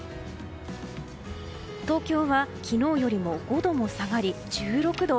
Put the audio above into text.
東京は昨日より５度も下がり１６度。